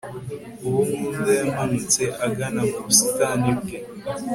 uwo nkunda yamanutse agana mu busitani bwe